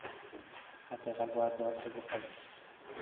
حداقل باید دو هفته بخوابه